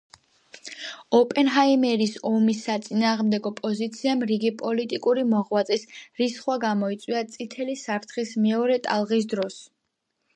ოპენჰაიმერის ომის საწინააღმდეგო პოზიციამ რიგი პოლიტიკური მოღვაწის რისხვა გამოიწვია წითელი საფრთხის მეორე ტალღის დროს.